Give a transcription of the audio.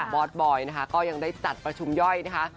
อสบอยนะคะก็ยังได้จัดประชุมย่อยนะคะ